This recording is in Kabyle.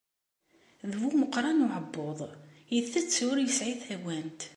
D bu umeqqran n uɛebbuḍ, itett ur yesɛi tawant.